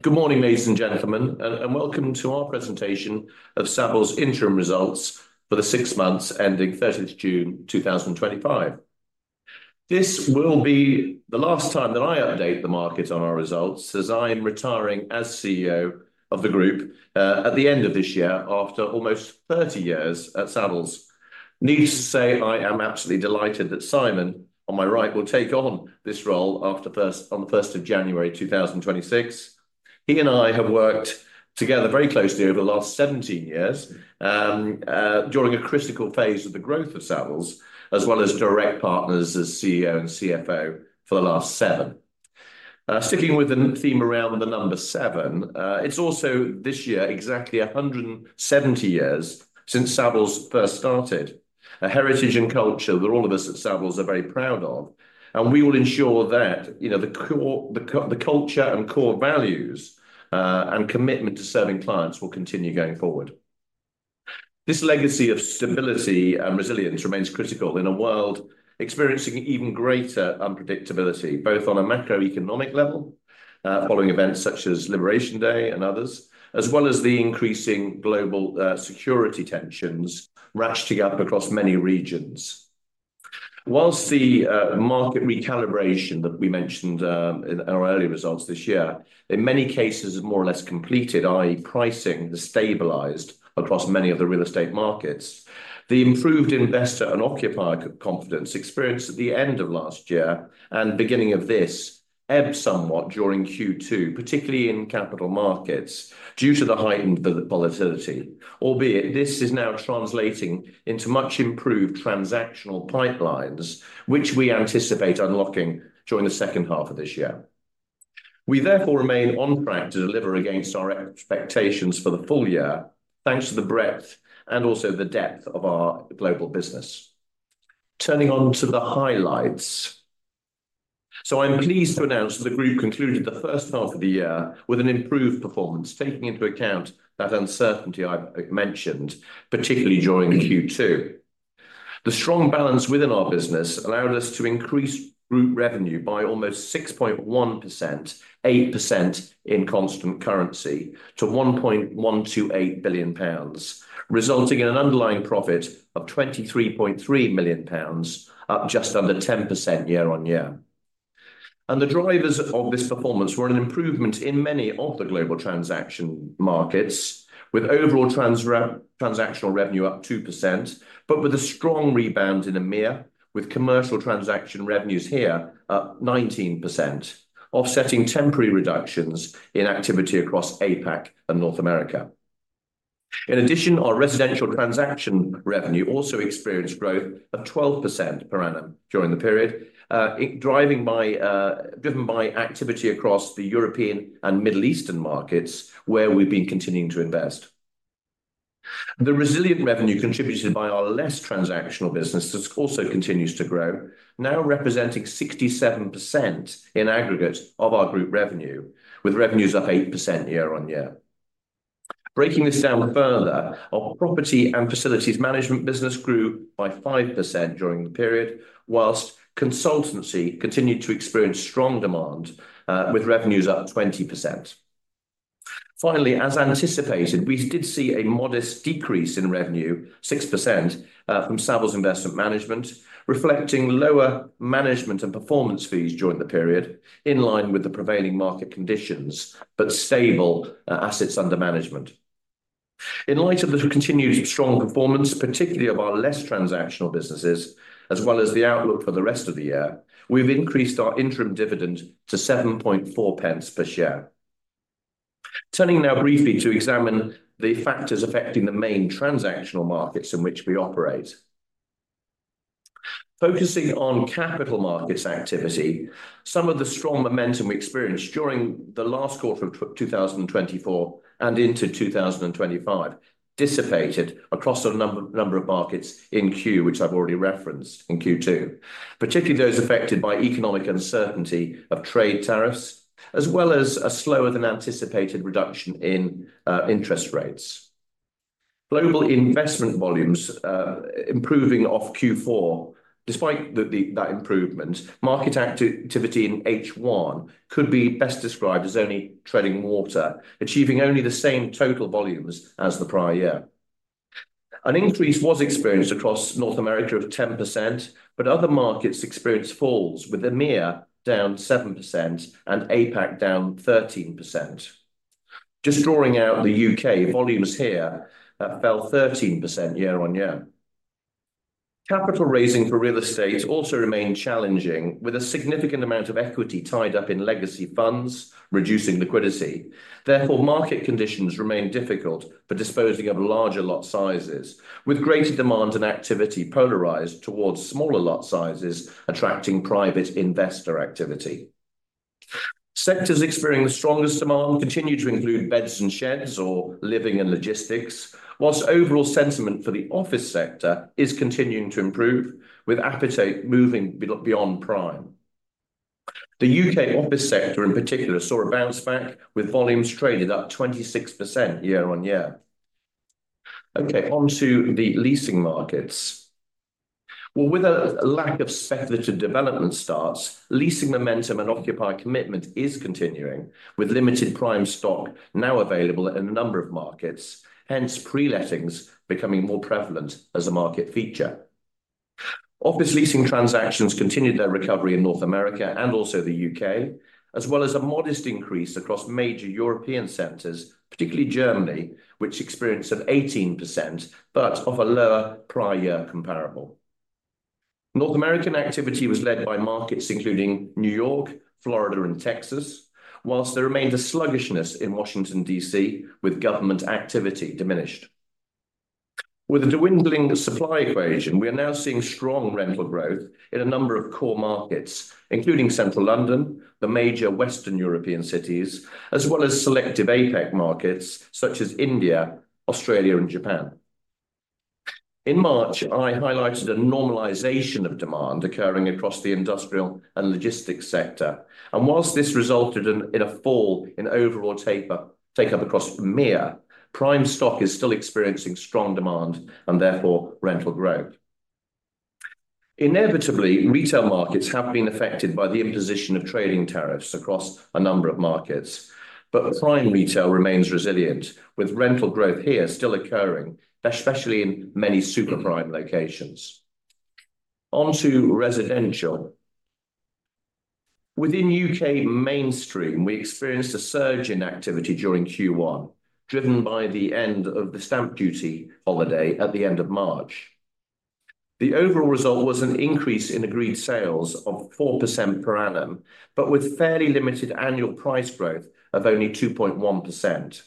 Good morning, ladies and gentlemen, and welcome to our presentation of Savills' Interim Results For The Six Months Ending 30th June 2025. This will be the last time that I update the market on our results as I am retiring as CEO of the group at the end of this year after almost 30 years at Savills. Needless to say, I am absolutely delighted that Simon, on my right, will take on this role on the 1st of January 2026. He and I have worked together very closely over the last 17 years, during a critical phase of the growth of Savills, as well as direct partners as CEO and CFO for the last seven. Sticking with the theme around the number seven, it's also this year exactly 170 years since Savills first started, a heritage and culture that all of us at Savills are very proud of. We will ensure that the culture and core values and commitment to serving clients will continue going forward. This legacy of stability and resilience remains critical in a world experiencing even greater unpredictability, both on a macroeconomic level, following events such as Liberation Day and others, as well as the increasing global security tensions rashed together across many regions. Whilst the market recalibration that we mentioned in our early results this year, in many cases more or less completed, i.e., pricing has stabilized across many of the real estate markets. The improved investor and occupier confidence experienced at the end of last year and the beginning of this ebbed somewhat during Q2, particularly in capital markets, due to the heightened volatility, albeit this is now translating into much improved transactional pipelines, which we anticipate unlocking during the second half of this year. We therefore remain on track to deliver against our expectations for the full year, thanks to the breadth and also the depth of our global business. Turning on to the highlights. I am pleased to announce that the group concluded the first-half of the year with an improved performance, taking into account that uncertainty I mentioned, particularly during Q2. The strong balance within our business allowed us to increase group revenue by almost 6.1%, 8% in constant currency to £1.128 billion, resulting in an underlying profit of £23.3 million, up just under 10% year-on-year. The drivers of this performance were an improvement in many of the global transaction markets, with overall transactional revenue up 2%, with a strong rebound in EMEA, with commercial transaction revenues here up 19%, offsetting temporary reductions in activity across. In addition, our residential transaction revenue also experienced growth of 12% per annum during the period, driven by activity across the European and Middle Eastern markets, where we've been continuing to invest. The resilient revenue contributed by our less transactional business also continues to grow, now representing 67% in aggregate of our group revenue, with revenues up 8% year-on-year. Breaking this down further, our property and facilities management business grew by 5% during the period, whilst consultancy continued to experience strong demand, with revenues up 20%. Finally, as anticipated, we did see a modest decrease in revenue, 6%, from Savills Investment Management, reflecting lower management and performance fees during the period, in line with the prevailing market conditions, but stable assets under management. In light of the continued strong performance, particularly of our less transactional businesses, as well as the outlook for the rest of the year, we've increased our interim dividend to £0.074 per share. Turning now briefly to examine the factors affecting the main transactional markets in which we operate. Focusing on capital markets activity, some of the strong momentum we experienced during the last quarter of 2024 and into 2025 dissipated across a number of markets in Q2, particularly those affected by economic uncertainty of trade tariffs, as well as a slower than anticipated reduction in interest rates. Global investment volumes improving off Q4, despite that improvement, market activity in H1 could be best described as only treading water, achieving only the same total volumes as the prior year. An increase was experienced across North America of 10%, but other markets experienced falls, with EMEA down 7% and APAC down 13%. Just drawing out the U.K., volumes here fell 13% year-on-year. Capital raising for real estate also remained challenging, with a significant amount of equity tied up in legacy funds reducing liquidity. Therefore, market conditions remained difficult for disposing of larger lot sizes, with greater demand and activity polarized towards smaller lot sizes, attracting private investor activity. Sectors experiencing the strongest demand continue to include beds and sheds or living and logistics, while overall sentiment for the office sector is continuing to improve, with appetite moving beyond prime. The U.K. office sector in particular saw a bounce back, with volumes traded up 26% year-on-year. Okay, onto the leasing markets. With a lack of secular development starts, leasing momentum and occupier commitment is continuing, with limited prime stock now available in a number of markets, hence pre-lettings becoming more prevalent as a market feature. Office leasing transactions continued their recovery in North America and also the U.K., as well as a modest increase across major European centers, particularly Germany, which experienced 18%, but off a lower prior year comparable. North American activity was led by markets including New York, Florida, and Texas, while there remained a sluggishness in Washington, D.C., with government activity diminished. With a dwindling supply equation, we are now seeing strong rental growth in a number of core markets, including central London, the major Western European cities, as well as selective APAC markets such as India, Australia, and Japan. In March, I highlighted a normalization of demand occurring across the industrial and logistics sector, and while this resulted in a fall in overall takeup across EMEA, prime stock is still experiencing strong demand and therefore rental growth. Inevitably, retail markets have been affected by the imposition of trading tariffs across a number of markets, but prime retail remains resilient, with rental growth here still occurring, especially in many superprime locations. Onto residential. Within U.K. mainstream, we experienced a surge in activity during Q1, driven by the end of the stamp duty holiday at the end of March. The overall result was an increase in agreed sales of 4% per annum, but with fairly limited annual price growth of only 2.1%.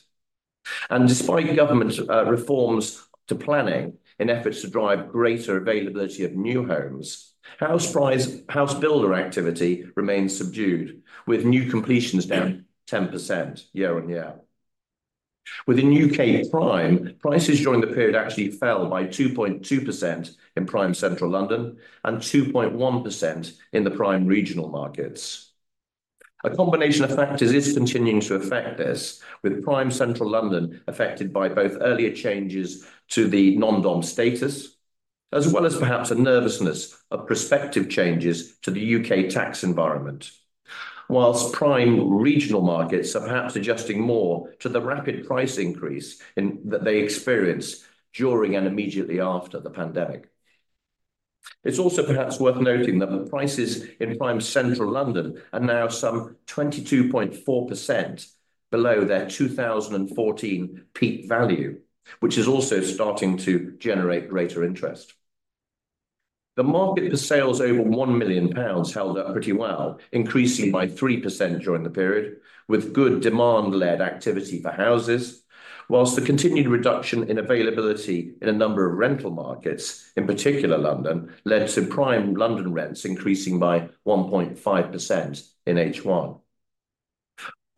Despite government reforms to planning in efforts to drive greater availability of new homes, house builder activity remains subdued, with new completions down 10% year-on-year. Within U.K. prime, prices during the period actually fell by 2.2% in prime central London and 2.1% in the prime regional markets. A combination of factors is continuing to affect this, with prime central London affected by both earlier changes to the non-dom status, as well as perhaps a nervousness of prospective changes to the U.K. tax environment, whilst prime regional markets are perhaps adjusting more to the rapid price increase that they experienced during and immediately after the pandemic. It's also perhaps worth noting that prices in prime central London are now some 22.4% below their 2014 peak value, which is also starting to generate greater interest. The market for sales over £1 million held up pretty well, increasing by 3% during the period, with good demand-led activity for houses, whilst the continued reduction in availability in a number of rental markets, in particular London, led to prime London rents increasing by 1.5% in H1.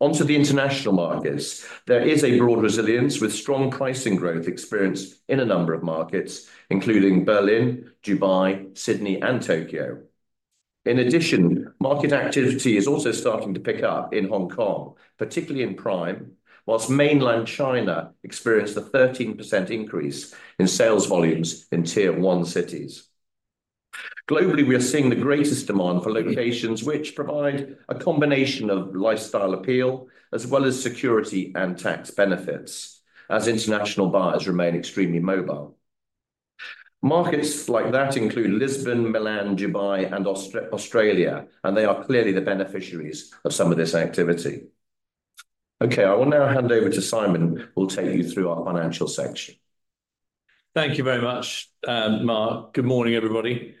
Onto the international markets, there is a broad resilience with strong pricing growth experienced in a number of markets, including Berlin, Dubai, Sydney, and Tokyo. In addition, market activity is also starting to pick up in Hong Kong, particularly in prime, whilst mainland China experienced a 13% increase in sales volumes in tier one cities. Globally, we are seeing the greatest demand for locations which provide a combination of lifestyle appeal, as well as security and tax benefits, as international buyers remain extremely mobile. Markets like that include Lisbon, Milan, Dubai, and Australia, and they are clearly the beneficiaries of some of this activity. Okay, I will now hand over to Simon, who will take you through our financial section. Thank you very much, Mark. Good morning, everybody.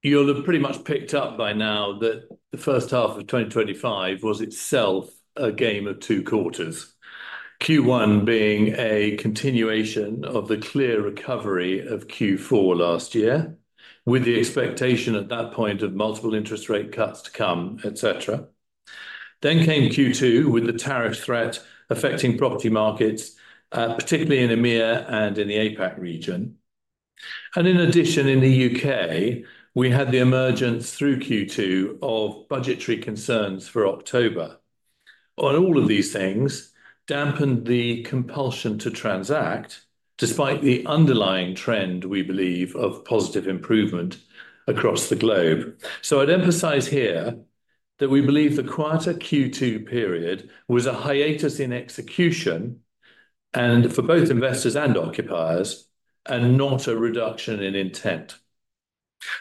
You'll have pretty much picked up by now that the first-half of 2025 was itself a game of two quarters, Q1 being a continuation of the clear recovery of Q4 last year, with the expectation at that point of multiple interest rate cuts to come, etc. Q2 came with the tariff threat affecting property markets, particularly in EMEA and in the APAC region. In addition, in the U.K., we had the emergence through Q2 of budgetary concerns for October. All of these things dampened the compulsion to transact, despite the underlying trend, we believe, of positive improvement across the globe. I'd emphasize here that we believe the quieter Q2 period was a hiatus in execution for both investors and occupiers, and not a reduction in intent.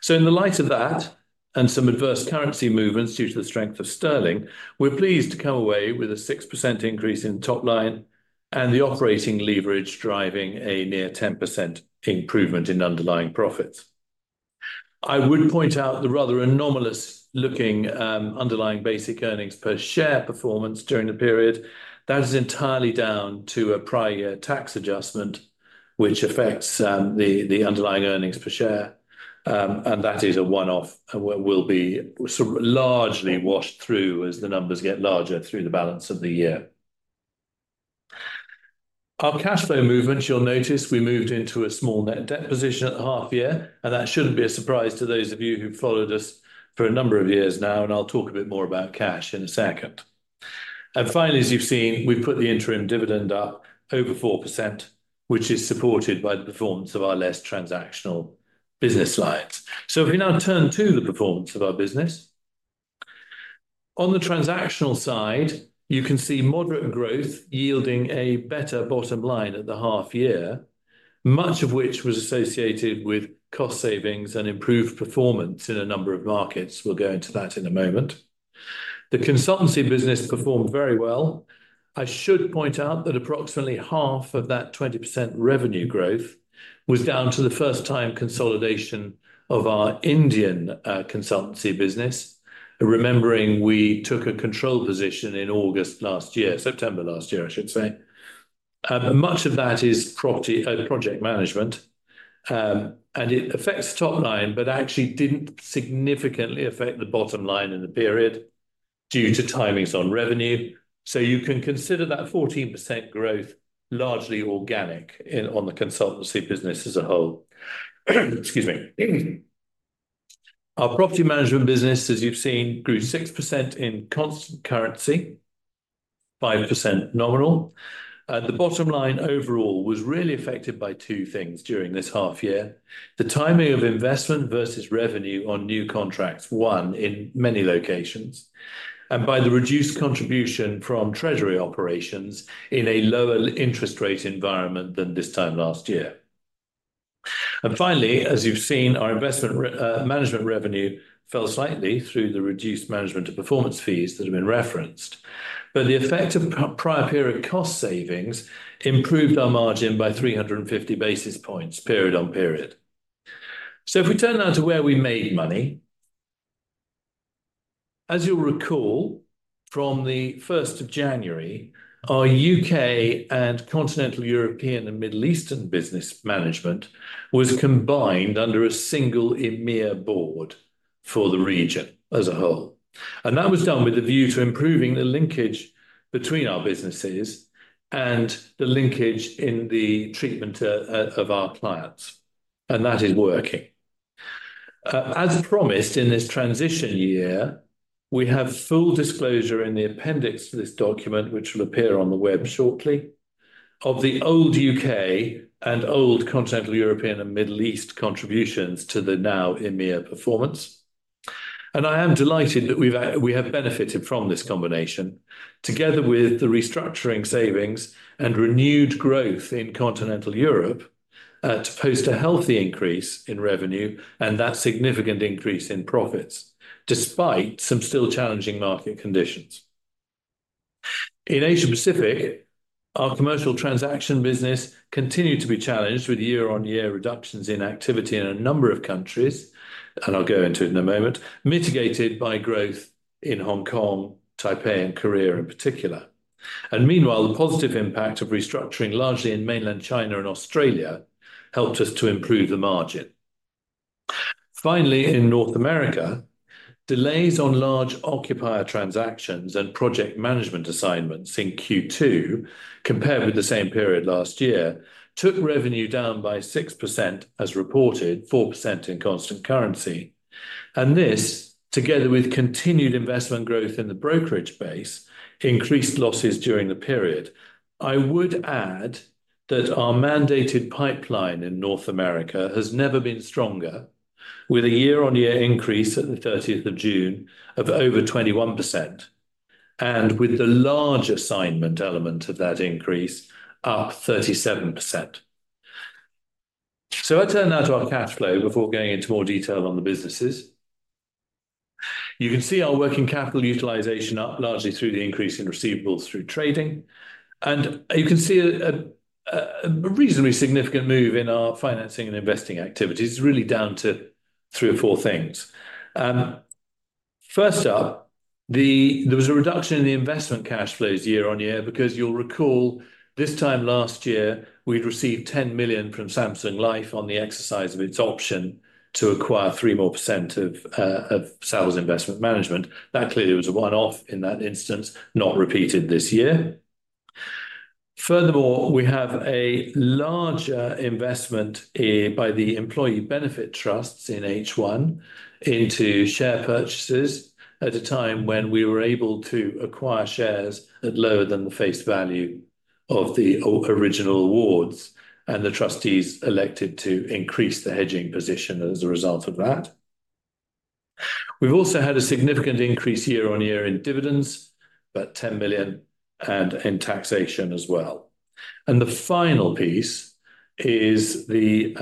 In light of that, and some adverse currency movements due to the strength of sterling, we're pleased to come away with a 6% increase in top line and the operating leverage driving a near 10% improvement in underlying profits. I would point out the rather anomalous looking underlying basic earnings per share performance during the period. That is entirely down to a prior year tax adjustment, which affects the underlying earnings per share. That is a one-off and will be largely washed through as the numbers get larger through the balance of the year. Our cash flow movements, you'll notice we moved into a small net debt position at half a year, and that shouldn't be a surprise to those of you who've followed us for a number of years now, and I'll talk a bit more about cash in a second. Finally, as you've seen, we've put the interim dividend up over 4%, which is supported by the performance of our less transactional business lines. If we now turn to the performance of our business. On the transactional side, you can see moderate growth yielding a better bottom line at the half year, much of which was associated with cost savings and improved performance in a number of markets. We'll go into that in a moment. The consultancy business performed very well. I should point out that approximately 1/2 of that 20% revenue growth was down to the first-time consolidation of our Indian consultancy business, remembering we took a control position in August last year, September last year, I should say. Much of that is property project management, and it affects top line, but actually didn't significantly affect the bottom line in the period due to timings on revenue. You can consider that 14% growth largely organic on the consultancy business as a whole. Excuse me. Our property management business, as you've seen, grew 6% in constant currency, 5% nominal. The bottom line overall was really affected by two things during this half year: the timing of investment versus revenue on new contracts, won in many locations, and the reduced contribution from treasury operations in a lower interest rate environment than this time last year. Finally, as you've seen, our investment management revenue fell slightly through the reduced management to performance fees that have been referenced, but the effect of prior period cost savings improved our margin by 350 basis points, period on period. If we turn now to where we made money. As you'll recall, from 1st of January, our U.K. and continental European and Middle Eastern business management was combined under a single EMEA board for the region as a whole. That was done with a view to improving the linkage between our businesses and the linkage in the treatment of our clients. That is working. As promised in this transition year, we have full disclosure in the appendix to this document, which will appear on the web shortly, of the old U.K. and old continental European and Middle East contributions to the now EMEA performance. I am delighted that we have benefited from this combination, together with the restructuring savings and renewed growth in continental Europe, to post a healthy increase in revenue and that significant increase in profits, despite some still challenging market conditions. In Asia-Pacific, our commercial transaction business continued to be challenged with year-on-year reductions in activity in a number of countries, and I'll go into it in a moment, mitigated by growth in Hong Kong, Taipei, and Korea in particular. Meanwhile, the positive impact of restructuring largely in mainland China and Australia helped us to improve the margin. Finally, in North America, delays on large occupier transactions and project management assignments in Q2, compared with the same period last year, took revenue down by 6% as reported, 4% in constant currency. This, together with continued investment growth in the brokerage base, increased losses during the period. I would add that our mandated pipeline in North America has never been stronger, with a year-on-year increase at the 30th of June of over 21%, and with the large assignment element of that increase of 37%. I turn now to our cash flow before going into more detail on the businesses. You can see our working capital utilization largely through the increase in receivables through trading, and you can see a reasonably significant move in our financing and investing activities, really down to three or four things. First up, there was a reduction in the investment cash flows year-on-year because you'll recall this time last year, we'd received £10 million from Samsung Life on the exercise of its option to acquire 3% more of Savills Investment Management. That clearly was a one-off in that instance, not repeated this year. Furthermore, we have a larger investment by the employee benefit trusts in H1 into share purchases at a time when we were able to acquire shares at lower than the face value of the original awards, and the trustees elected to increase the hedging position as a result of that. We've also had a significant increase year-on-year in dividends, about £10 million, and in taxation as well. The final piece is the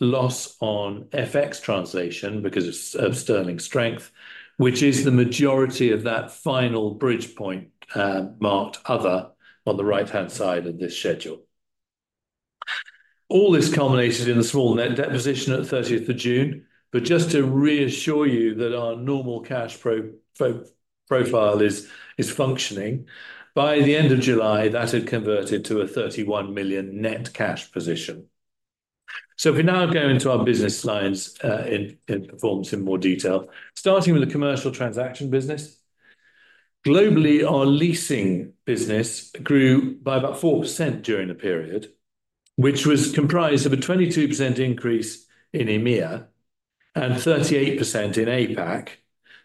loss on FX translation because of sterling strength, which is the majority of that final bridge point marked other on the right-hand side of this schedule. All this culminated in the small net debt position at the 30th of June, but just to reassure you that our normal cash flow profile is functioning, by the end of July, that had converted to a £31 million net cash position. If we now go into our business lines in performance in more detail, starting with the commercial transaction business. Globally, our leasing business grew by about 4% during the period, which was comprised of a 22% increase in EMEA and 38% in APAC,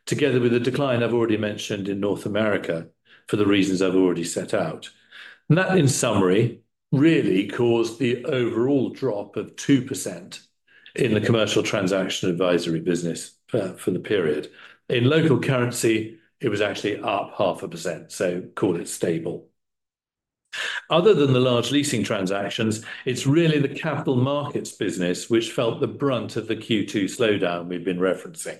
together with a decline I've already mentioned in North America for the reasons I've already set out. That, in summary, really caused the overall drop of 2% in the commercial transaction advisory business for the period. In local currency, it was actually up 0.5%, so call it stable. Other than the large leasing transactions, it's really the capital markets business which felt the brunt of the Q2 slowdown we've been referencing.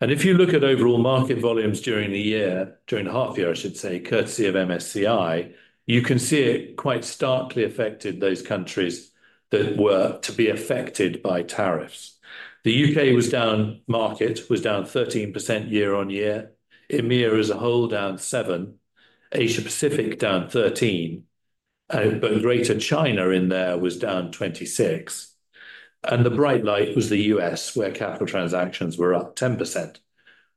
If you look at overall market volumes during the year, during the half year, courtesy of MSCI, you can see it quite starkly affected those countries that were to be affected by tariffs. The U.K. was down, market was down 13% year-on-year, EMEA as a whole down 7%, Asia-Pacific down 13%, but Greater China in there was down 26%. The bright light was the U.S., where capital transactions were up 10%,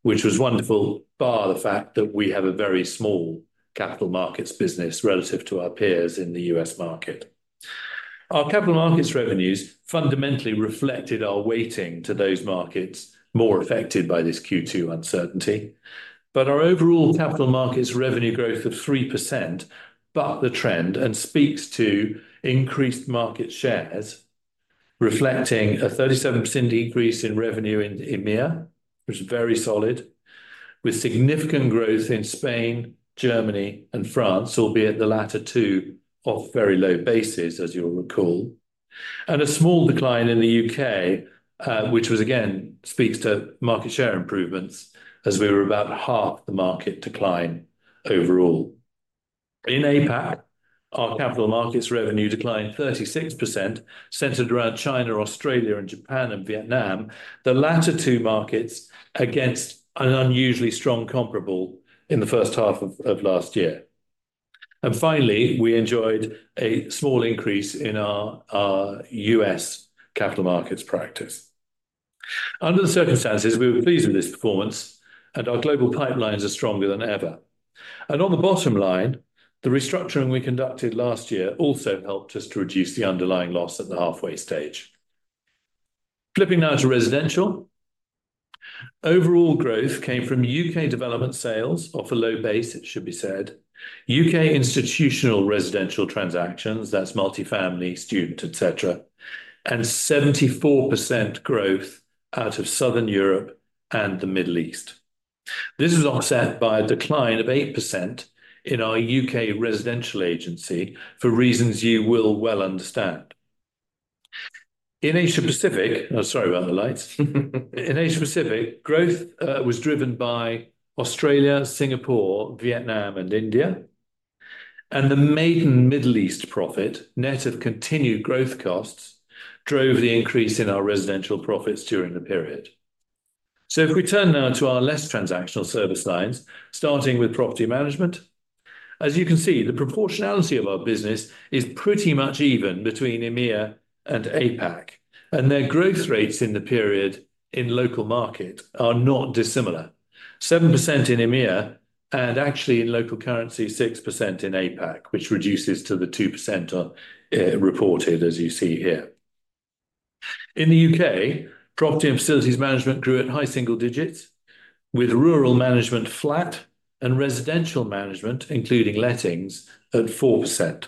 which was wonderful, bar the fact that we have a very small capital markets business relative to our peers in the U.S. market. Our capital markets revenues fundamentally reflected our weighting to those markets more affected by this Q2 uncertainty. Our overall capital markets revenue growth of 3% bucked the trend and speaks to increased market shares, reflecting a 37% increase in revenue in EMEA, which is very solid, with significant growth in Spain, Germany, and France, albeit the latter two off very low bases, as you'll recall. There was a small decline in the U.K., which again speaks to market share improvements, as we were about half the market decline overall. In Asia-Pacific, our capital markets revenue declined 36%, centered around China, Australia, Japan, and Vietnam, the latter two markets against an unusually strong comparable in the first-half of last year. Finally, we enjoyed a small increase in our U.S. capital markets practice. Under the circumstances, we were pleased with this performance, and our global pipelines are stronger than ever. On the bottom line, the restructuring we conducted last year also helped us to reduce the underlying loss at the halfway stage. Flipping now to residential. Overall growth came from U.K. development sales off a low base, it should be said, U.K. institutional residential transactions, that's multifamily, student, etc., and 74% growth out of Southern Europe and the Middle East. This is offset by a decline of 8% in our U.K. residential agency for reasons you will well understand. In Asia-Pacific, growth was driven by Australia, Singapore, Vietnam, and India, and the maiden Middle East profit net of continued growth costs drove the increase in our residential profits during the period. If we turn now to our less transactional service lines, starting with property management, as you can see, the proportionality of our business is pretty much even between EMEA and Asia-Pacific, and their growth rates in the period in local market are not dissimilar. 7% in EMEA and actually in local currency, 6% in APAC, which reduces to the 2% on reported, as you see here. In the U.K., property and facilities management grew at high single digits, with rural management flat and residential management, including lettings, at 4%.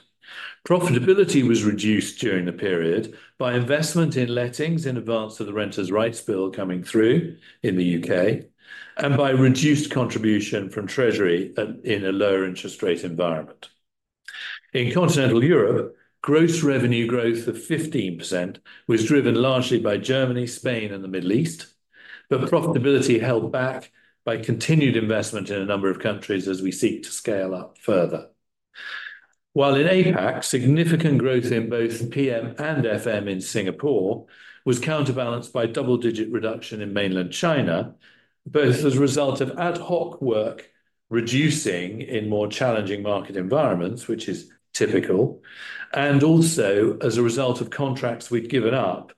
Profitability was reduced during the period by investment in lettings in advance of the renter's rights bill coming through in the U.K. and by reduced contribution from treasury in a lower interest rate environment. In continental Europe, gross revenue growth of 15% was driven largely by Germany, Spain, and the Middle East, but profitability held back by continued investment in a number of countries as we seek to scale up further. While in APAC, significant growth in both PM and FM in Singapore was counterbalanced by double-digit reduction in mainland China, both as a result of ad hoc work reducing in more challenging market environments, which is typical, and also as a result of contracts we'd given up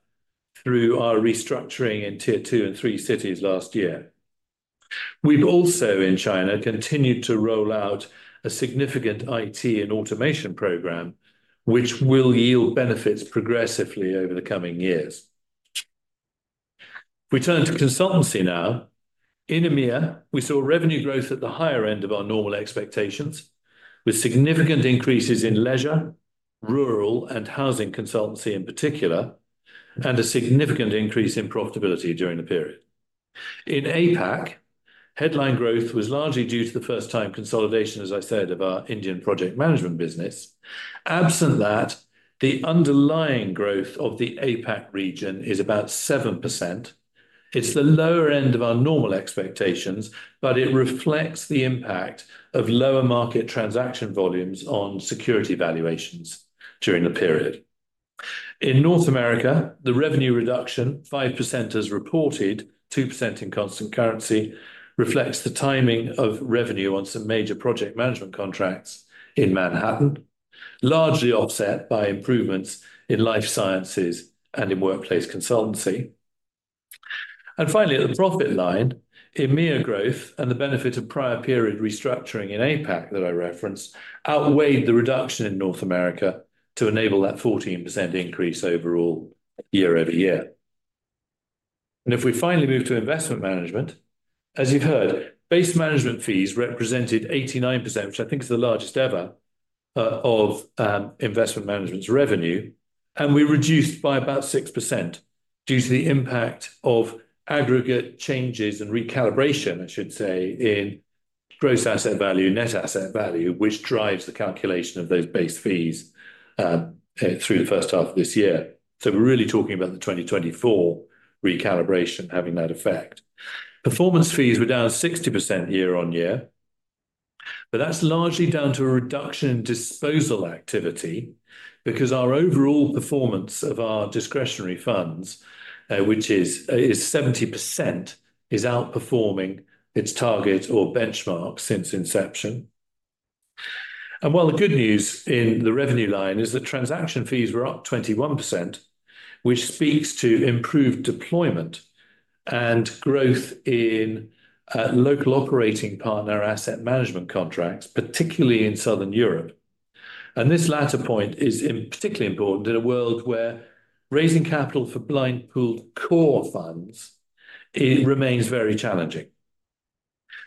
through our restructuring in tier two and three cities last year. We've also, in China, continued to roll out a significant IT and automation program, which will yield benefits progressively over the coming years. We turn to consultancy now. In EMEA, we saw revenue growth at the higher end of our normal expectations, with significant increases in leisure, rural, and housing consultancy in particular, and a significant increase in profitability during the period. In APAC, headline growth was largely due to the first-time consolidation, as I said, of our Indian project management business. Absent that, the underlying growth of the APAC region is about 7%. It's the lower end of our normal expectations, but it reflects the impact of lower market transaction volumes on security valuations during the period. In North America, the revenue reduction, 5% as reported, 2% in constant currency, reflects the timing of revenue on some major project management contracts in Manhattan, largely offset by improvements in life sciences and in workplace consultancy. Finally, at the profit line, EMEA growth and the benefit of prior period restructuring in APAC that I referenced outweighed the reduction in North America to enable that 14% increase overall year-over-year. If we finally move to investment management, as you've heard, base management fees represented 89%, which I think is the largest ever of investment management's revenue, and we reduced by about 6% due to the impact of aggregate changes and recalibration, I should say, in gross asset value and net asset value, which drives the calculation of those base fees through the first half of this year. We are really talking about the 2024 recalibration having that effect. Performance fees were down 60% year-on-year, but that's largely down to a reduction in disposal activity because our overall performance of our discretionary funds, which is 70%, is outperforming its target or benchmark since inception. The good news in the revenue line is that transaction fees were up 21%, which feeds to improved deployment and growth in local operating partner asset management contracts, particularly in southern Europe. This latter point is particularly important in a world where raising capital for blind pooled core funds remains very challenging.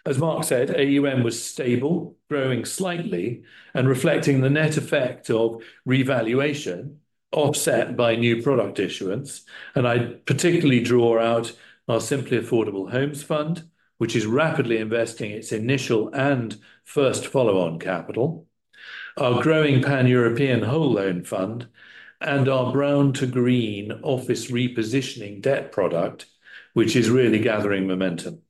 As Mark said, AUM was stable, growing slightly, and reflecting the net effect of revaluation offset by new product issuance. I particularly draw out our Simply Affordable Homes Fund, which is rapidly investing its initial and first follow-on capital, our growing Pan-European Whole Loan Fund, and our brown-to-green office repositioning debt product, which is really gathering momentum.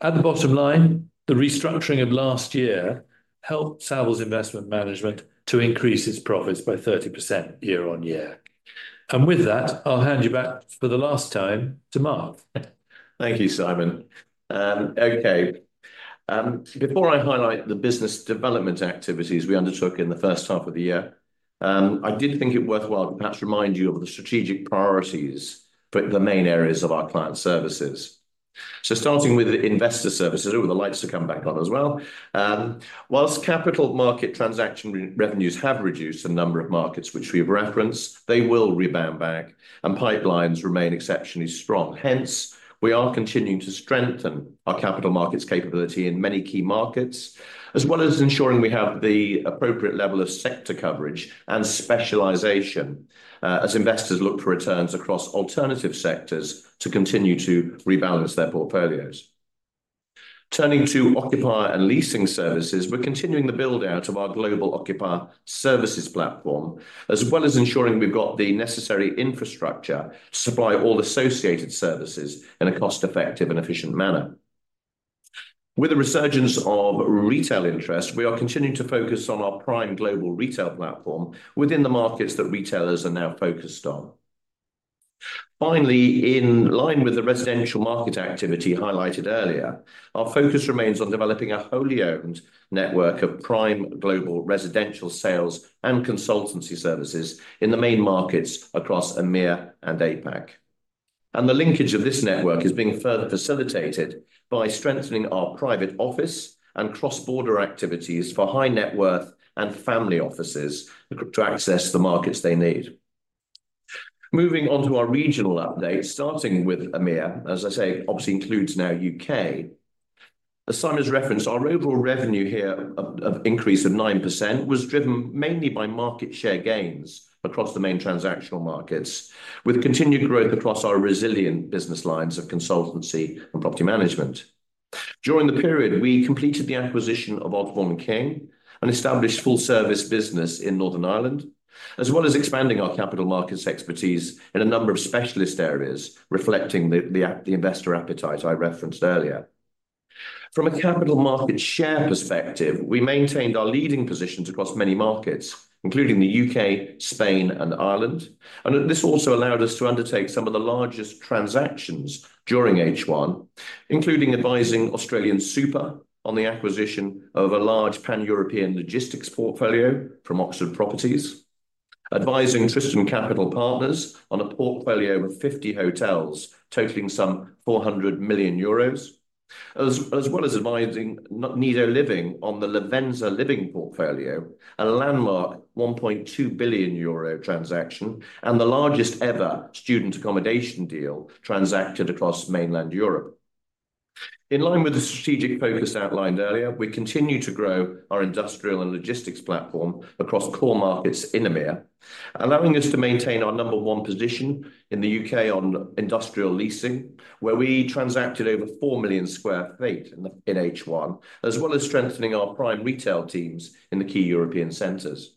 At the bottom line, the restructuring of last year helped Savills Investment Management to increase its profits by 30% year-on-year. With that, I'll hand you back for the last time to Mark. Thank you, Simon. Okay. Before I highlight the business development activities we undertook in the first-half of the year, I did think it worthwhile to perhaps remind you of the strategic priorities for the main areas of our client services. Starting with investor services, the lights come back on as well. Whilst capital market transaction revenues have reduced in a number of markets which we have referenced, they will rebound back and pipelines remain exceptionally strong. Hence, we are continuing to strengthen our capital markets capability in many key markets, as well as ensuring we have the appropriate level of sector coverage and specialization as investors look for returns across alternative sectors to continue to rebalance their portfolios. Turning to occupier and leasing services, we're continuing the build-out of our global occupier services platform, as well as ensuring we've got the necessary infrastructure to supply all associated services in a cost-effective and efficient manner. With the resurgence of retail interest, we are continuing to focus on our prime global retail platform within the markets that retailers are now focused on. Finally, in line with the residential market activity highlighted earlier, our focus remains on developing a wholly owned network of prime global residential sales and consultancy services in the main markets across EMEA and APAC. The linkage of this network is being further facilitated by strengthening our private office and cross-border activities for high net worth and family offices to access the markets they need. Moving on to our regional updates, starting with EMEA, which obviously includes now U.K. As Simon referenced, our overall revenue here of an increase of 9% was driven mainly by market share gains across the main transactional markets, with continued growth across our resilient business lines of consultancy and property management. During the period, we completed the acquisition of Osborne King and established a full-service business in Northern Ireland, as well as expanding our capital markets expertise in a number of specialist areas, reflecting the investor appetite I referenced earlier. From a capital market share perspective, we maintained our leading positions across many markets, including the U.K., Spain, and Ireland, and this also allowed us to undertake some of the largest transactions during H1, including advising Australian Super on the acquisition of a large Pan-European logistics portfolio from Oxford Properties, advising Tristan Capital Partners on a portfolio of 50 hotels totaling some €400 million, as well as advising Nido Living on the Lavenza Living portfolio, a landmark €1.2 billion transaction, and the largest ever student accommodation deal transacted across mainland Europe. In line with the strategic focus outlined earlier, we continue to grow our industrial and logistics platform across core markets in EMEA, allowing us to maintain our number one position in the U.K. on industrial leasing, where we transacted over 4 million sq ft in H1, as well as strengthening our prime retail teams in the key European centers.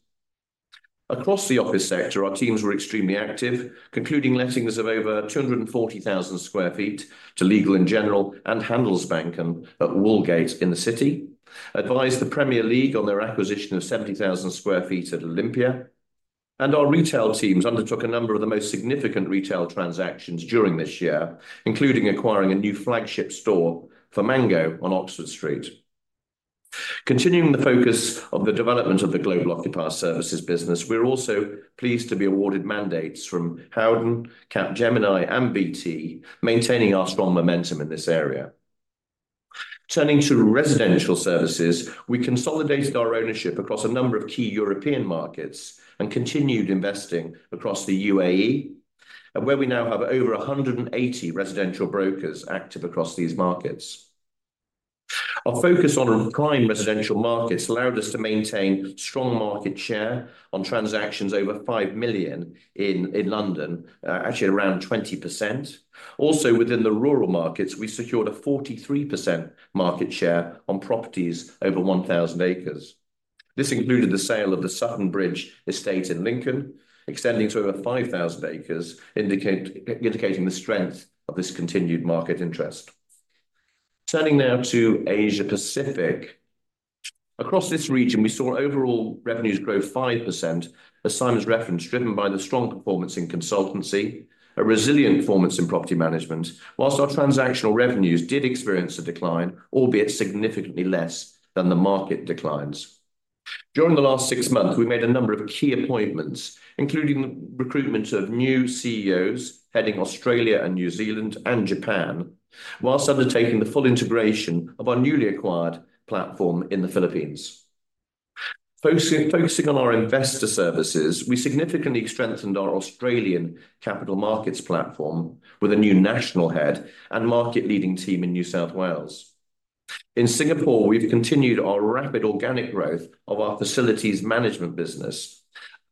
Across the office sector, our teams were extremely active, concluding lettings of over 240,000 sq ft to Legal & General and Handelsbanken at Wallgate in the city, advised the Premier League on their acquisition of 70,000 sq f t at Olympia, and our retail teams undertook a number of the most significant retail transactions during this year, including acquiring a new flagship store for Mango on Oxford Street. Continuing the focus of the development of the global occupier services business, we're also pleased to be awarded mandates from Howden, Capgemini, and BT, maintaining our strong momentum in this area. Turning to residential services, we consolidated our ownership across a number of key European markets and continued investing across the UAE, where we now have over 180 residential brokers active across these markets. Our focus on prime residential markets allowed us to maintain strong market share on transactions over £5 million in London, actually around 20%. Also, within the rural markets, we secured a 43% market share on properties over 1,000 acres. This included the sale of the Sutton Bridge estate in Lincoln, extending to over 5,000 acres, indicating the strength of this continued market interest. Turning now to Asia-Pacific. Across this region, we saw overall revenues grow 5%, as Simon's referenced, driven by the strong performance in consultancy, a resilient performance in property management, whilst our transactional revenues did experience a decline, albeit significantly less than the market declines. During the last six months, we made a number of key appointments, including the recruitment of new CEOs heading Australia and New Zealand and Japan, whilst undertaking the full integration of our newly acquired platform in the Philippines. Focusing on our investor services, we significantly strengthened our Australian capital markets platform with a new national head and market-leading team in New South Wales. In Singapore, we've continued our rapid organic growth of our facilities management business,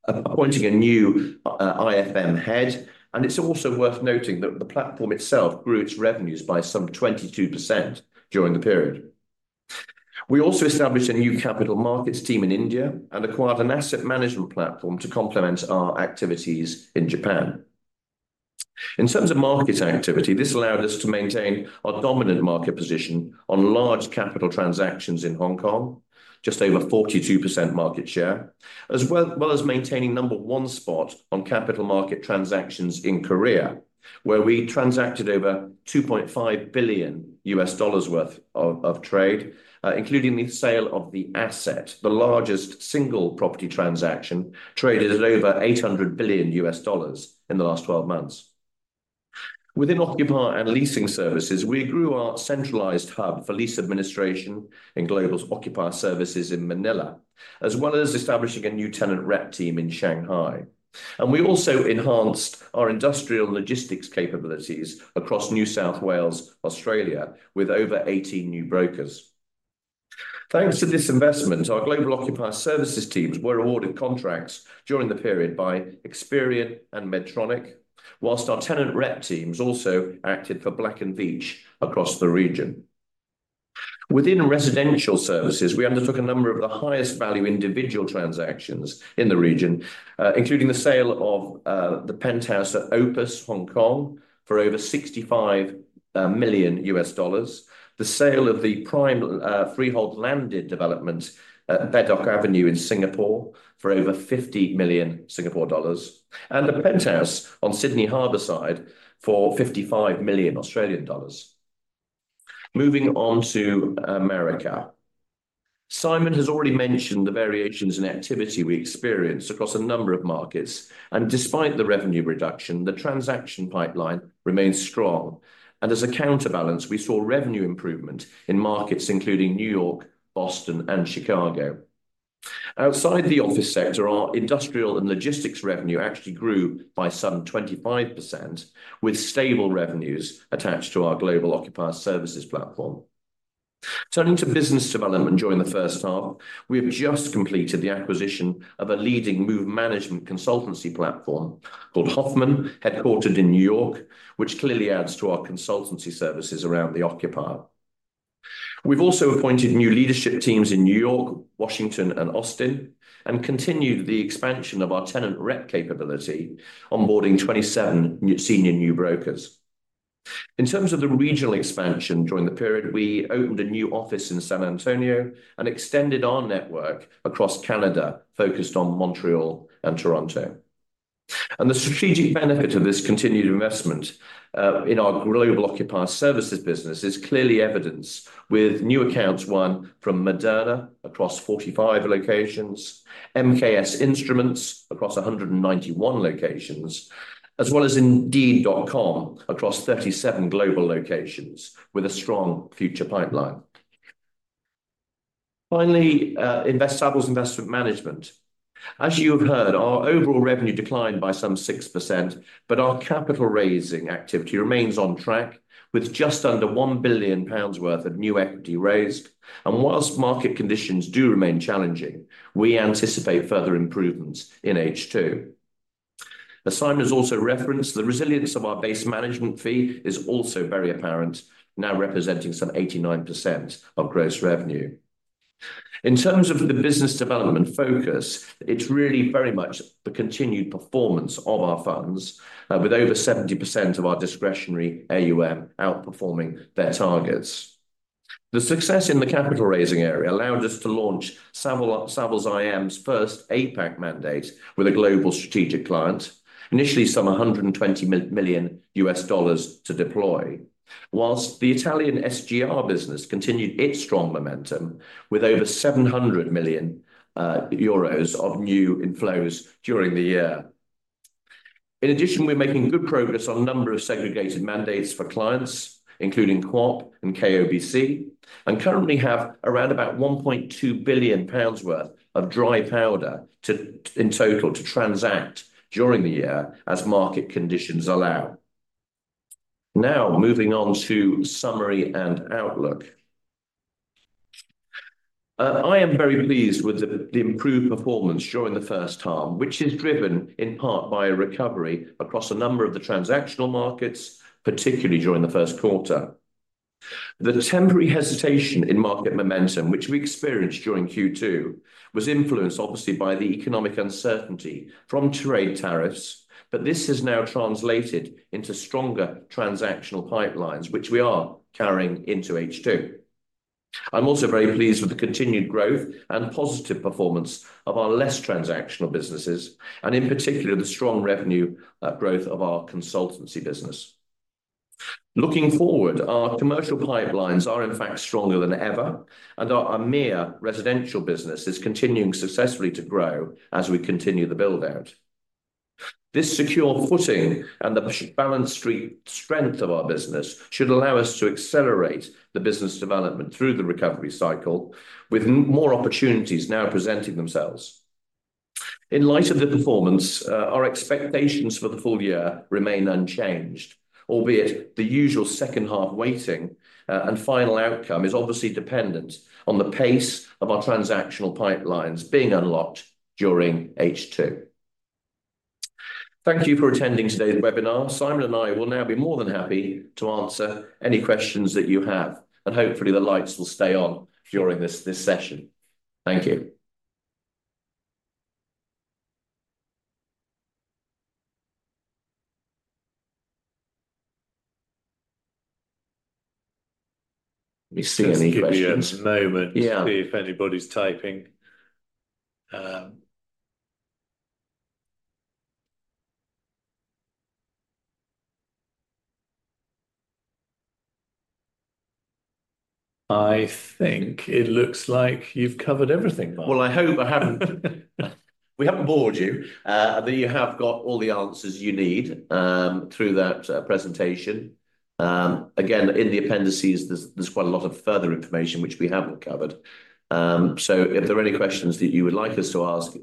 appointing a new IFM head, and it's also worth noting that the platform itself grew its revenues by some 22% during the period. We also established a new capital markets team in India and acquired an asset management platform to complement our activities in Japan. In terms of market activity, this allowed us to maintain our dominant market position on large capital transactions in Hong Kong, just over 42% market share, as well as maintaining number one spot on capital market transactions in Korea, where we transacted over $2.5 billion worth of trade, including the sale of the asset, the largest single property transaction traded at over $800 million in the last 12 months. Within occupier and leasing services, we grew our centralized hub for lease administration in Global's Occupier Services in Manila, as well as establishing a new tenant rep team in Shanghai. We also enhanced our industrial logistics capabilities across New South Wales, Australia, with over 18 new brokers. Thanks to this investment, our Global Occupier Services teams were awarded contracts during the period by Experian and Medtronic, whilst our tenant rep teams also acted for Black & Veatch across the region. Within residential services, we undertook a number of the highest value individual transactions in the region, including the sale of the penthouse at Opus, Hong Kong, for over $65 million, the sale of the prime freehold landed development at Bedok Avenue in Singapore for over 50 million Singapore dollars, and the penthouse on Sydney Harbourside for 55 million Australian dollars. Moving on to America. Simon has already mentioned the variations in activity we experienced across a number of markets, and despite the revenue reduction, the transaction pipeline remains strong. As a counterbalance, we saw revenue improvement in markets including New York, Boston, and Chicago. Outside the office sector, our industrial and logistics revenue actually grew by some 25%, with stable revenues attached to our Global Occupier Services platform. Turning to business development during the first-half, we have just completed the acquisition of a leading move management consultancy platform called Hoffman, headquartered in New York, which clearly adds to our consultancy services around the occupier. We've also appointed new leadership teams in New York, Washington, and Austin, and continued the expansion of our tenant rep capability, onboarding 27 senior new brokers. In terms of the regional expansion during the period, we opened a new office in San Antonio and extended our network across Canada, focused on Montreal and Toronto. The strategic benefit of this continued investment in our Global Occupier Services business is clearly evidenced with new accounts won from Moderna across 45 locations, MKS Instruments across 191 locations, as well as indeed.com across 37 global locations with a strong future pipeline. Finally, Savills Investment Management. As you have heard, our overall revenue declined by some 6%, but our capital raising activity remains on track with just under £1 billion worth of new equity raised. Whilst market conditions do remain challenging, we anticipate further improvements in H2. As Simon's also referenced, the resilience of our base management fee is also very apparent, now representing some 89% of gross revenue. In terms of the business development focus, it's really very much the continued performance of our funds, with over 70% of our discretionary AUM outperforming their targets. The success in the capital raising area allowed us to launch Savills IM's first APAC mandate with a global strategic client, initially some $120 million to deploy, whilst the Italian SGR business continued its strong momentum with over 700 million euros of new inflows during the year. In addition, we're making good progress on a number of segregated mandates for clients, including Co-op and KOBC, and currently have around about £1.2 billion worth of dry powder in total to transact during the year as market conditions allow. Now, moving on to summary and outlook. I am very pleased with the improved performance during the first-half, which is driven in part by a recovery across a number of the transactional markets, particularly during the first quarter. The temporary hesitation in market momentum, which we experienced during Q2, was influenced obviously by the economic uncertainty from trade tariffs, but this has now translated into stronger transactional pipelines, which we are carrying into H2. I'm also very pleased with the continued growth and positive performance of our less transactional businesses, and in particular the strong revenue growth of our consultancy business. Looking forward, our commercial pipelines are in fact stronger than ever, and our EMEA residential business is continuing successfully to grow as we continue the build-out. This secure footing and the balanced strength of our business should allow us to accelerate the business development through the recovery cycle, with more opportunities now presenting themselves. In light of the performance, our expectations for the full year remain unchanged, albeit the usual second half weighting and final outcome is obviously dependent on the pace of our transactional pipelines being unlocked during H2. Thank you for attending today's webinar. Simon and I will now be more than happy to answer any questions that you have, and hopefully the lights will stay on during this session. Thank you. Let me see any questions. Just a moment. Yeah. See if anybody's typing. I think it looks like you've covered everything, Mark. I hope I haven't bored you, and that you have got all the answers you need through that presentation. In the appendices, there's quite a lot of further information which we haven't covered. If there are any questions that you would like us to ask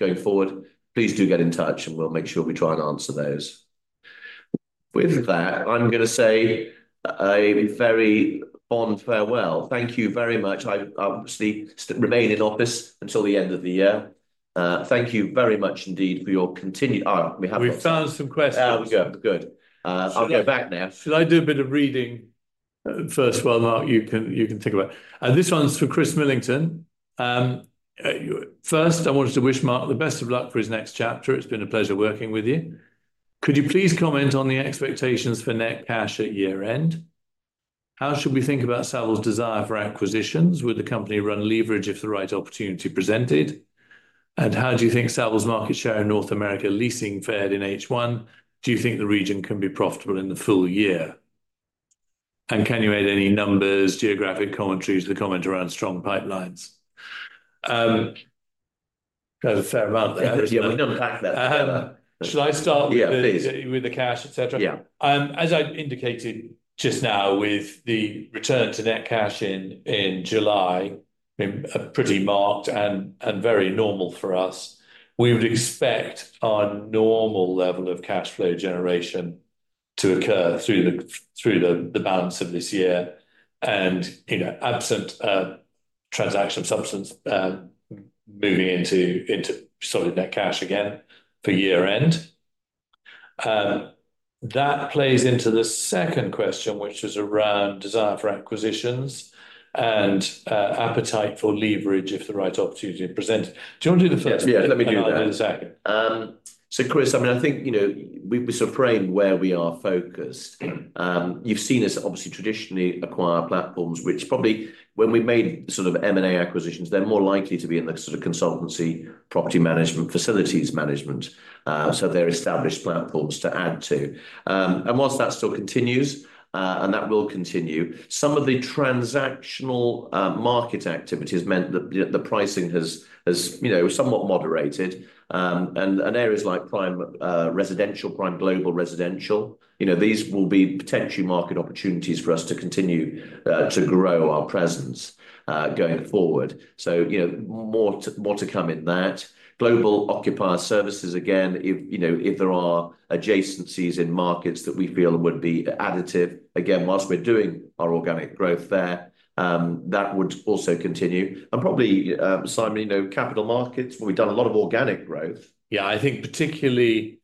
going forward, please do get in touch, and we'll make sure we try and answer those. With that, I'm going to say a very fond farewell. Thank you very much. I obviously remain in office until the end of the year. Thank you very much indeed for your continued... Oh, we have lost. We've found some questions. There we go. Good. I'll go back now. Should I do a bit of reading first while Mark, you can take a break? This one's for Chris Millington. First, I wanted to wish Mark the best of luck for his next chapter. It's been a pleasure working with you. Could you please comment on the expectations for net cash at year end? How should we think about Savills' desire for acquisitions? Would the company run leverage if the right opportunity presented? How do you think Savills' market share in North America leasing fared in H1? Do you think the region can be profitable in the full year? Can you add any numbers, geographic commentaries, the commentary around strong pipelines? Should I start? Yeah, please. With the cash, et cetera? Yeah. As I indicated just now, with the return to net cash in July, I mean, pretty marked and very normal for us. We would expect our normal level of cash flow generation to occur through the balance of this year. You know, absent transactional substance, moving into solid net cash again for year end. That plays into the second question, which was around desire for acquisitions and appetite for leverage if the right opportunity is presented. Do you want to do the first question? I'll do the second. Chris, I think you know we sort of framed where we are focused. You've seen us obviously traditionally acquire platforms, which probably when we made sort of M&A acquisitions, they're more likely to be in the sort of consultancy, property management, facilities management. They're established platforms to add to, and whilst that still continues, and that will continue, some of the transactional market activities meant that the pricing has somewhat moderated. Areas like prime residential, prime global residential, these will be potentially market opportunities for us to continue to grow our presence going forward. More to come in that. Global occupier services again, if there are adjacencies in markets that we feel would be additive, again, whilst we're doing our organic growth there, that would also continue. Probably, Simon, capital markets, where we've done a lot of organic growth. Yeah, I think particularly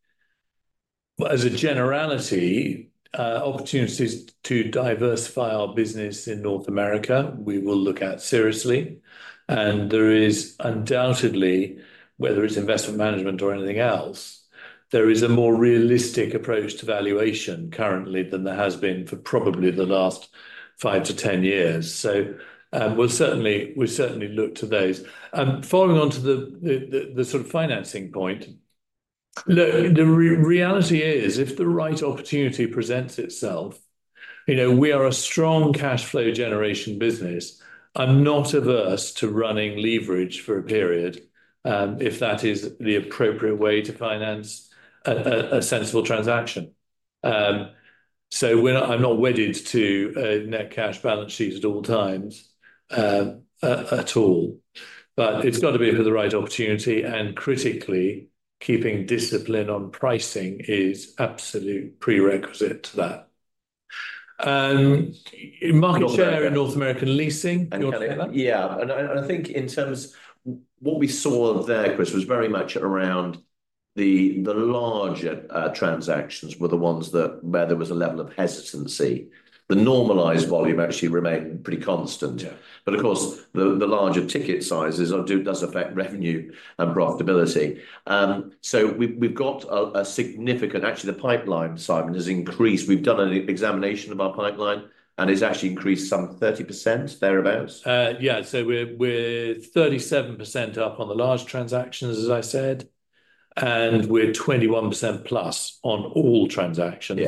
as a generality, opportunities to diversify our business in North America, we will look at seriously. There is undoubtedly, whether it's investment management or anything else, a more realistic approach to valuation currently than there has been for probably the last five to 10 years. We'll certainly look to those. Following on to the financing point, the reality is if the right opportunity presents itself, you know, we are a strong cash flow generation business and not averse to running leverage for a period if that is the appropriate way to finance a sensible transaction. I'm not wedded to a net cash balance sheet at all times at all. It's got to be for the right opportunity. Critically, keeping discipline on pricing is an absolute prerequisite to that. Market share in North American leasing, you're looking at that? Yeah, I think in terms of what we saw there, Chris, it was very much around the larger transactions being the ones where there was a level of hesitancy. The normalized volume actually remained pretty constant. Of course, the larger ticket sizes do affect revenue and profitability. We've got a significant pipeline, and actually, the pipeline, Simon, has increased. We've done an examination of our pipeline, and it's actually increased some 30% thereabouts. Yeah, so we're 37% up on the large transactions, as I said, and we're 21%+ on all transactions.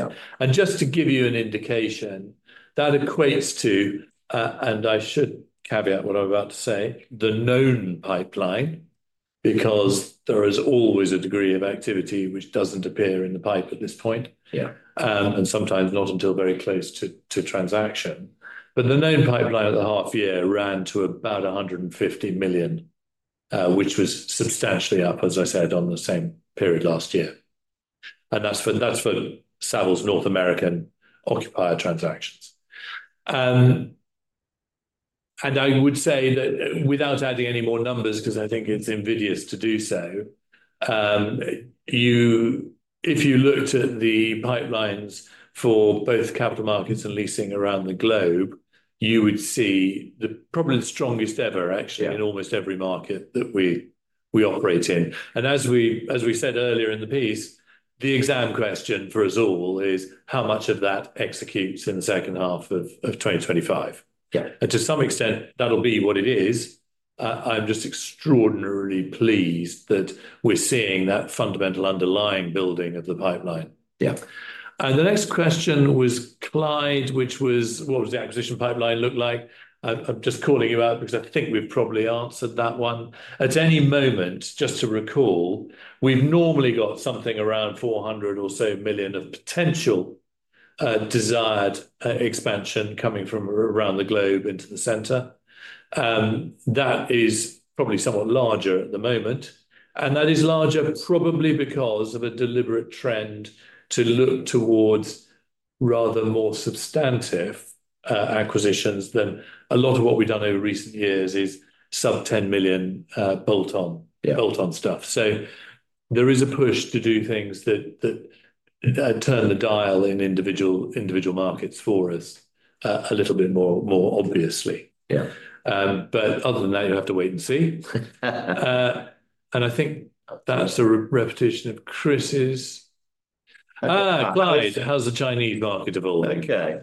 Just to give you an indication, that equates to, and I should caveat what I'm about to say, the known pipeline, because there is always a degree of activity which doesn't appear in the pipeline at this point. Sometimes not until very close to transaction. The known pipeline at the half year ran to about $150 million, which was substantially up, as I said, on the same period last year. That's for Savills North American occupier transactions. I would say that without adding any more numbers, because I think it's invidious to do so, if you looked at the pipelines for both capital markets and leasing around the globe, you would see probably the strongest ever, actually, in almost every market that we operate in. As we said earlier in the piece, the exam question for us all is how much of that executes in the second half of 2025. To some extent, that'll be what it is. I'm just extraordinarily pleased that we're seeing that fundamental underlying building of the pipeline. The next question was Clyde, which was what does the acquisition pipeline look like? I'm just calling you out because I think we've probably answered that one. At any moment, just to recall, we've normally got something around $400 million or so of potential desired expansion coming from around the globe into the center. That is probably somewhat larger at the moment. That is larger probably because of a deliberate trend to look towards rather more substantive acquisitions than a lot of what we've done over recent years, which is sub $10 million bolt-on stuff. There is a push to do things that turn the dial in individual markets for us a little bit more obviously. Other than that, you have to wait and see. I think that's a repetition of Chris's. Clyde, how's the Chinese market evolving? Okay.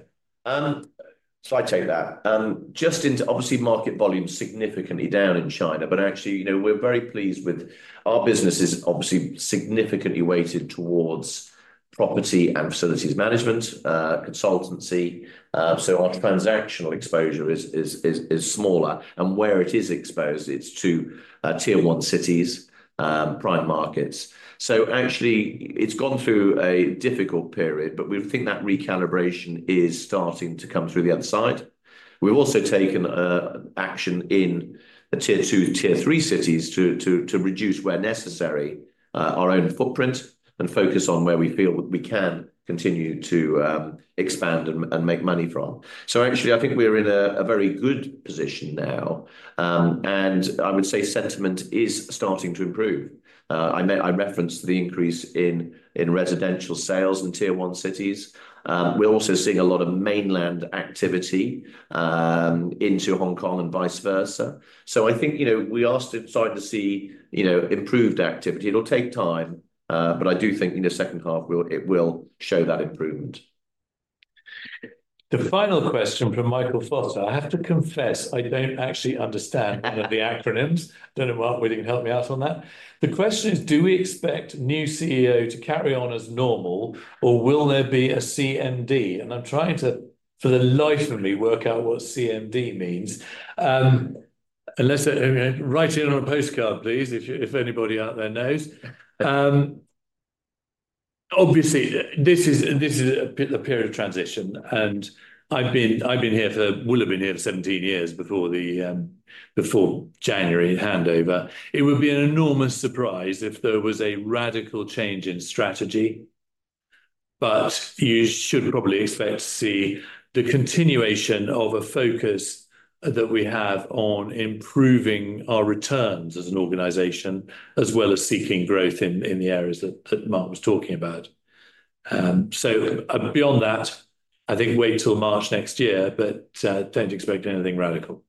I take that. Obviously, market volume is significantly down in China, but actually, we're very pleased with our business. It's obviously significantly weighted towards property and facilities management consultancy, so our transactional exposure is smaller, and where it is exposed is to tier one cities, prime markets. It's gone through a difficult period, but we think that recalibration is starting to come through the other side. We've also taken action in tier two, tier three cities to reduce, where necessary, our own footprint and focus on where we feel that we can continue to expand and make money from. I think we're in a very good position now. I would say sentiment is starting to improve. I referenced the increase in residential sales in tier one cities. We're also seeing a lot of mainland activity into Hong Kong and vice versa. I think we are starting to see improved activity. It'll take time, but I do think in the second half it will show that improvement. The final question from Michael Foster. I have to confess, I don't actually understand the acronyms. I don't know, Mark, whether you can help me out on that. The question is, do we expect new CEO to carry on as normal, or will there be a CMD? I'm trying to, for the life of me, work out what CMD means. Unless you know, write it on a postcard, please, if anybody out there knows. Obviously, this is a period of transition, and I've been here for, will have been here for 17 years before the January handover. It would be an enormous surprise if there was a radical change in strategy, but you should probably expect to see the continuation of a focus that we have on improving our returns as an organization, as well as seeking growth in the areas that Mark was talking about. Beyond that, I think wait till March next year, but don't expect anything radical.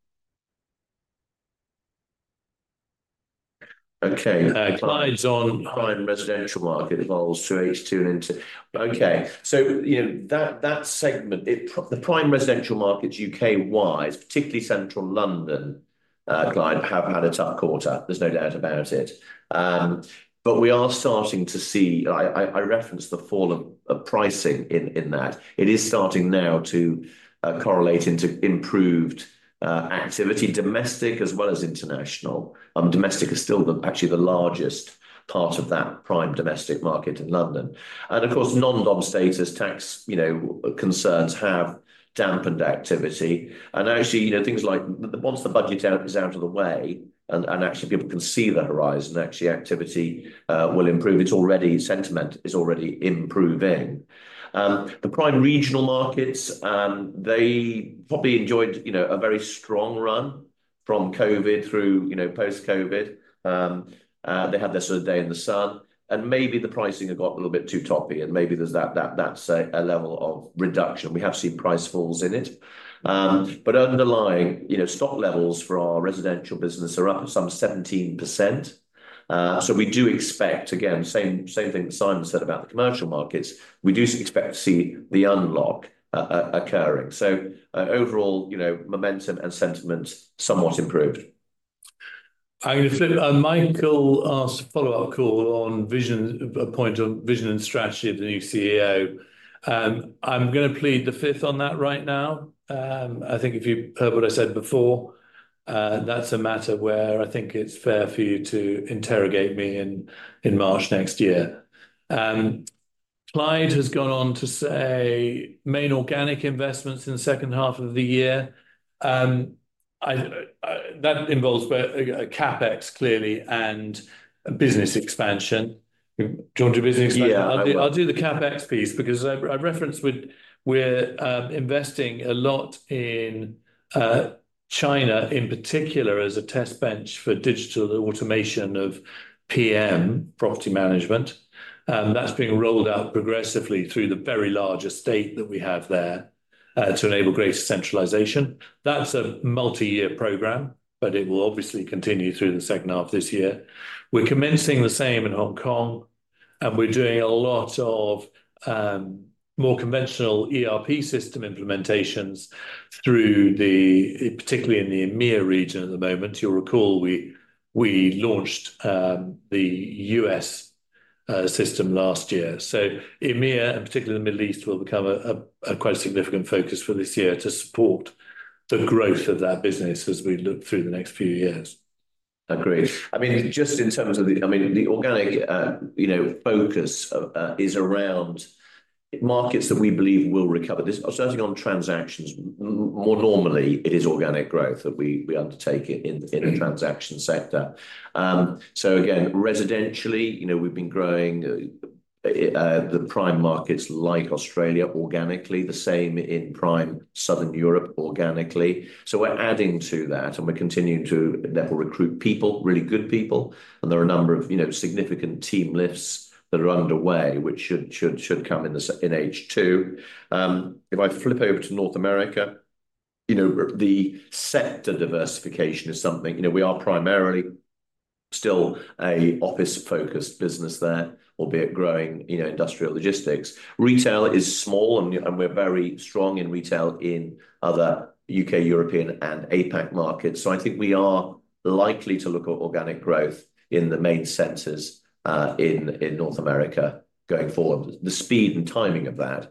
Okay. Clyde's on. Prime residential market evolves to H2 and into. Okay, so you know that segment, the prime residential markets U.K.-wide, particularly Central London, Clyde, have had a tough quarter. There's no doubt about it. We are starting to see, I referenced the fall of pricing in that. It is starting now to correlate into improved activity, domestic as well as international. Domestic is still actually the largest part of that prime domestic market in London. Of course, non-dom status tax concerns have dampened activity. Actually, things like, once the budget is out of the way, and people can see the horizon, activity will improve. It's already, sentiment is already improving. The prime regional markets probably enjoyed a very strong run from COVID through post-COVID. They had their sort of day in the sun. Maybe the pricing got a little bit too toppy, and maybe there's that level of reduction. We have seen price falls in it. Underlying, stock levels for our residential business are up some 17%. We do expect, again, same thing that Simon said about the commercial markets, we do expect to see the unlock occurring. Overall, momentum and sentiment somewhat improved. I'm going to say, Michael asked a follow-up call on vision, a point on vision and strategy of the new CEO. I'm going to plead the fifth on that right now. I think if you've heard what I said before, that's a matter where I think it's fair for you to interrogate me in March next year. Clyde has gone on to say main organic investments in the second half of the year. That involves CapEx clearly and business expansion. Do you want to do business expansion? I'll do the CapEx piece because I referenced we're investing a lot in China in particular as a test bench for digital automation of PM property management. That's being rolled out progressively through the very large estate that we have there to enable greater centralization. That's a multi-year program, but it will obviously continue through the second half of this year. We're commencing the same in Hong Kong, and we're doing a lot of more conventional ERP system implementations, particularly in the EMEA region at the moment. You'll recall we launched the U.S. system last year. EMEA, and particularly the Middle East, will become a quite significant focus for this year to support the growth of that business as we look through the next few years. Agreed. Just in terms of the organic focus, it is around markets that we believe will recover. Starting on transactions, normally it is organic growth that we undertake in the transaction sector. Residentially, we've been growing the prime markets like Australia organically, the same in prime Southern Europe organically. We're adding to that, and we're continuing to recruit people, really good people. There are a number of significant team lifts that are underway, which should come in H2. If I flip over to North America, the sector diversification is something we are primarily still an office-focused business there, albeit growing industrial logistics. Retail is small, and we're very strong in retail in other U.K., European, and APAC markets. I think we are likely to look at organic growth in the main centers in North America going forward. The speed and timing of that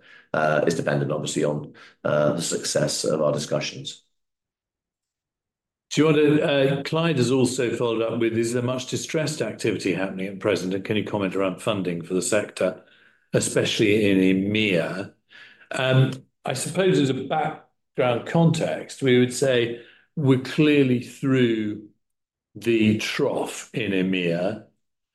is dependent, obviously, on the success of our discussions. Clyde has also followed up with, is there much distressed activity happening at present? Can you comment around funding for the sector, especially in EMEA? I suppose as a background context, we would say we're clearly through the trough in EMEA.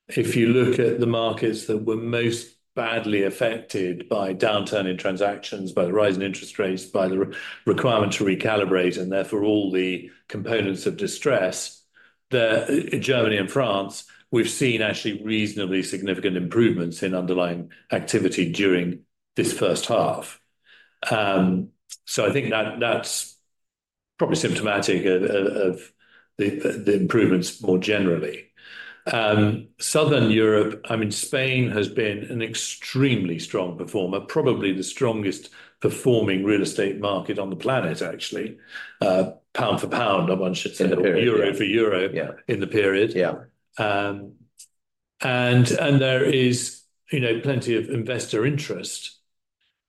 If you look at the markets that were most badly affected by downturn in transactions, by the rise in interest rates, by the requirement to recalibrate, and therefore all the components of distress, Germany and France, we've seen actually reasonably significant improvements in underlying activity during this first-half. I think that's probably symptomatic of the improvements more generally. Southern Europe, I mean, Spain has been an extremely strong performer, probably the strongest performing real estate market on the planet, actually. Pound for pound, I want to say, Euro for Euro in the period. There is plenty of investor interest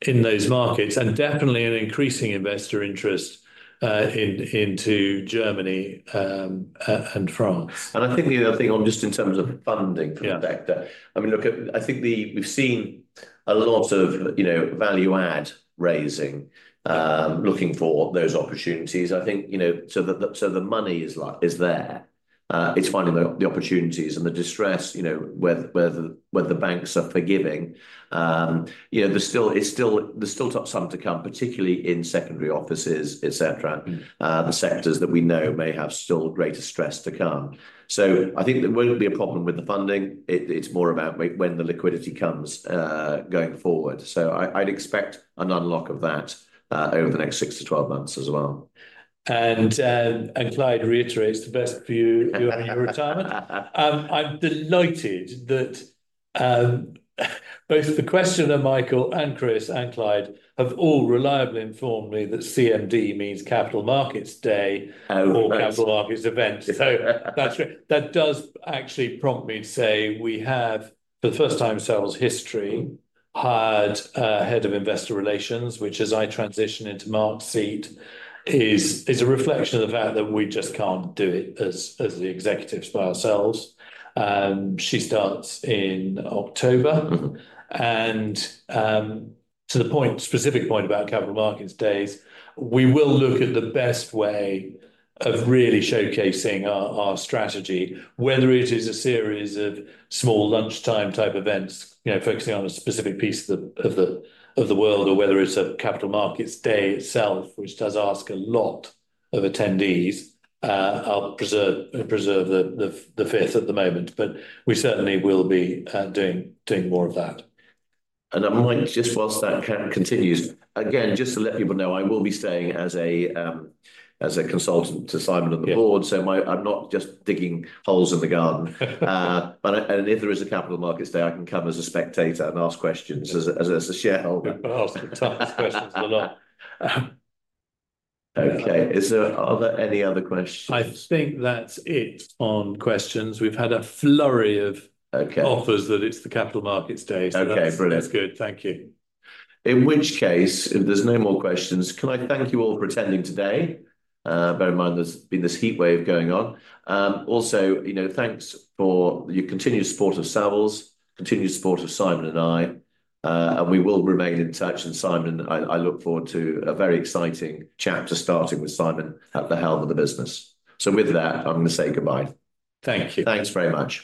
in those markets and definitely an increasing investor interest into Germany and France. I think the other thing, just in terms of the funding perspective, I mean, look, I think we've seen a lot of value add raising, looking for those opportunities. I think the money is there. It's finding the opportunities and the distress, where the banks are forgiving. There's still some to come, particularly in secondary offices, etc., the sectors that we know may have still greater stress to come. I think there won't be a problem with the funding. It's more about when the liquidity comes going forward. I'd expect an unlock of that over the next six to 12 months as well. Clyde reiterates the best for you in your retirement. I'm delighted that both the questioner, Michael, and Chris, and Clyde have all reliably informed me that CMD means Capital Markets Day or Capital Markets Event. That does actually prompt me to say we have, for the first time in Savills' history, hired a Head of Investor Relations, which as I transition into Mark's seat is a reflection of the fact that we just can't do it as the executives by ourselves. She starts in October. To the specific point about Capital Markets Days, we will look at the best way of really showcasing our strategy, whether it is a series of small lunchtime type events, focusing on a specific piece of the world, or whether it's a Capital Markets Day itself, which does ask a lot of attendees. I'll preserve the fifth at the moment, but we certainly will be doing more of that. Whilst that continues, just to let people know, I will be staying as a consultant to Simon at the Board, so I'm not just digging holes in the garden. If there is a Capital Markets Day, I can come as a spectator and ask questions as a shareholder. I'll ask the toughest questions of the lot. Okay, is there any other question? I think that's it on questions. We've had a flurry of offers that it's the Capital Markets Day, so that's good. Thank you. In which case, if there's no more questions, can I thank you all for attending today? Bear in mind there's been this heat wave going on. Also, you know, thanks for your continued support of Savills, continued support of Simon and I, and we will remain in touch. Simon, I look forward to a very exciting chapter starting with Simon at the helm of the business. With that, I'm going to say goodbye. Thank you. Thanks very much.